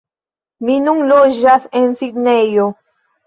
Mi nun loĝas en Sidnejo